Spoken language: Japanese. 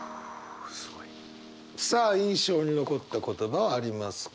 すごい。さあ印象に残った言葉はありますか？